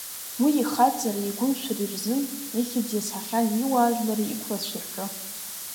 Уи ихаҵареи игәымшәареи рзын, ихьыӡ иазҳахьан иуаажәлари иқәлацәеи рҿы.